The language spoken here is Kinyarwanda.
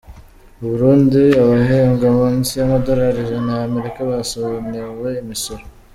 U Burundi Abahembwa munsi y’amadolari ijana ya Amerika basonewe imisoro